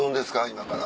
今から。